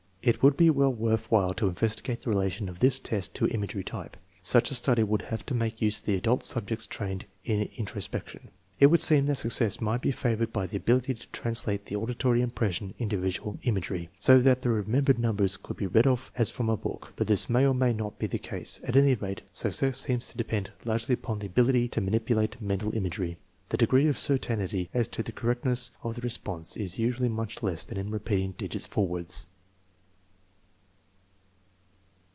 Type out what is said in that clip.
It would be well worth while to investigate the relation of this test to imagery type. Such a study would have to make use of adult subjects trained in introspection. It would seem that success might be favored by the ability to translate the auditory impression into visual imagery, so that the remembered numbers could be read off as from a book; but this may or may not be the case. At any rate, success seems to depend largely upon the ability to ma nipulate mental imagery. The degree of certainty as to the correctness of the re sponse is usually much less than in repeating digits forwards.